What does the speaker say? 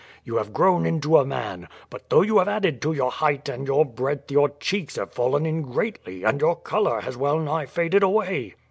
You have grown into a man; but though you have added to your height and your breadth your cheeks have fallen in greatly, and your colour has well nigh faded away."